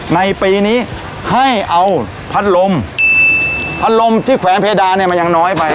ในปีนี้ให้เอาพัดลมพัดลมที่แขวนเพดานเนี่ยมันยังน้อยไป